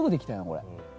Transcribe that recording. これ。